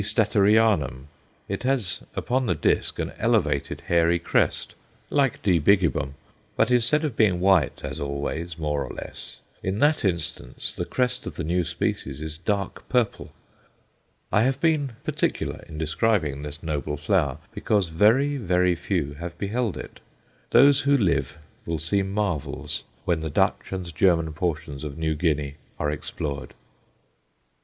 Statterianum_. It has upon the disc an elevated, hairy crest, like D. bigibbum, but instead of being white as always, more or less, in that instance, the crest of the new species is dark purple. I have been particular in describing this noble flower, because very, very few have beheld it. Those who live will see marvels when the Dutch and German portions of New Guinea are explored.